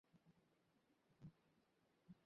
বিভার প্রাণে যাহা হইল তাহা বিভাই জানে!